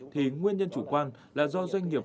thì nguyên nhân chủ quan là do doanh nghiệp